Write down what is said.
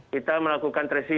kita melakukan tracing